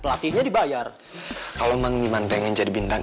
pelatihnya dibayar kalau memang pengen jadi bintang